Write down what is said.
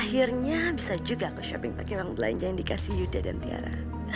akhirnya bisa juga aku shopping pakai uang belanja yang dikasih yuda dan tiara